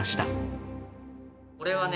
これはね